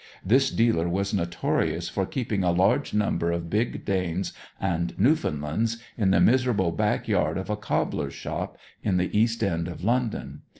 This dealer was notorious for keeping a large number of big Danes and Newfoundlands in the miserable backyard of a cobbler's shop in the East End of London.